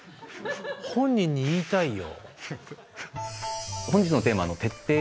本人に言いたいよ。